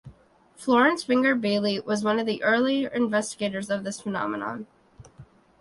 Florence Winger Bagley was one of the early investigators of this phenomenon.